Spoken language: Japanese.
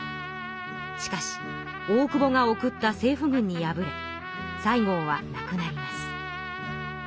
しかし大久保が送った政府軍に敗れ西郷はなくなります。